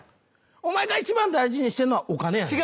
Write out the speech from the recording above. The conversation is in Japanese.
お前が一番大事にしてんのはお金やねん。